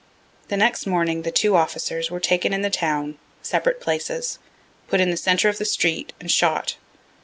The next morning the two officers were taken in the town, separate places, put in the centre of the street, and shot.